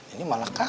ini malah kamu